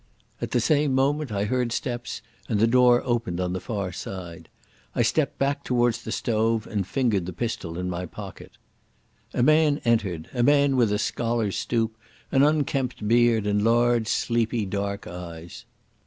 _" At the same moment I heard steps and the door opened on the far side, I stepped back towards the stove, and fingered the pistol in my pocket. A man entered, a man with a scholar's stoop, an unkempt beard, and large sleepy dark eyes.